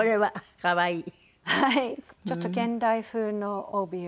はい。